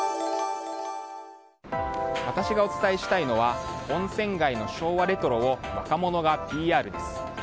私がお伝えしたいのは温泉街の昭和レトロを若者がＰＲです。